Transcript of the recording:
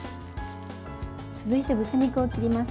続いて、豚肉を切ります。